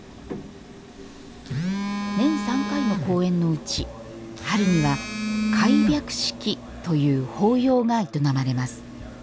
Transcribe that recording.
年３回の公演のうち、春には開白式という法要が営まれます。